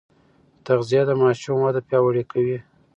تغذيه د ماشوم وده پیاوړې کوي.